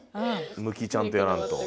向きちゃんとやらんと。